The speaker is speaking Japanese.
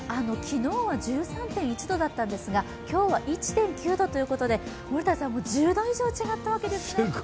昨日は１３．１度だったんですが今日は１．９度ということで１０度以上違ったわけですね。